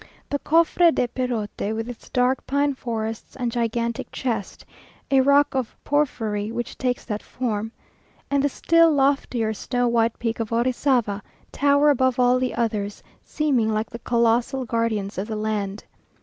The Cofre de Perote, with its dark pine forests and gigantic chest (a rock of porphyry which takes that form), and the still loftier snow white peak of Orizava, tower above all the others, seeming like the colossal guardians of the land.